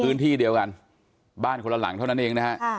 พื้นที่เดียวกันบ้านคนละหลังเท่านั้นเองนะฮะ